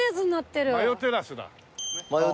マヨテラスだ。